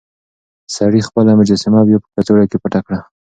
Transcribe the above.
سړي خپله مجسمه بيا په کڅوړه کې پټه کړه.